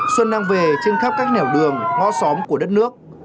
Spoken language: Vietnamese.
xuân đang về trên khắp các nẻo đường ngõ xóm của đất nước